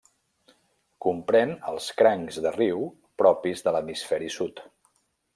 Comprèn els crancs de riu propis de l'hemisferi sud.